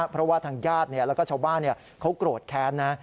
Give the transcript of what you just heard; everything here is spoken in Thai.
เพราะว่าทางญาติเนี่ยแล้วก็ชาวบ้านเนี่ยเขากรดแค้นนะ